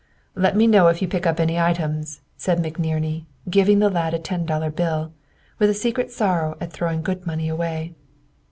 "Let me know if you pick up any items," said McNerney, giving the lad a ten dollar bill, with a secret sorrow at throwing good money away.